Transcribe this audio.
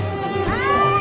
はい！